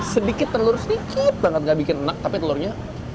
sedikit telur sedikit banget gak bikin enak tapi telurnya